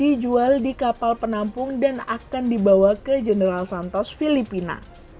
dijual di kapal penampung dan akan dibawa ke general santos filipina